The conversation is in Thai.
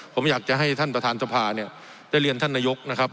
ผมอยากจะให้ท่านประธานสภาเนี่ยได้เรียนท่านนายกนะครับ